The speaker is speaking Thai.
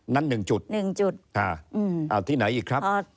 นั้น๑จุดค่ะที่ไหนอีกครับ